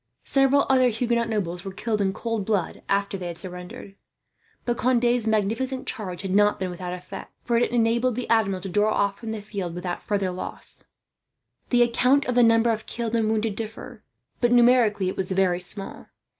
Several other Huguenot nobles were killed in cold blood, after they had surrendered. But Conde's magnificent charge had not been without effect, for it enabled the Admiral to draw off from the field, without further loss. The accounts of the number of killed and wounded differ, but numerically it was very small.